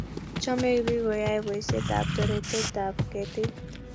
chomei biik koyai boisetab toretetab ketik.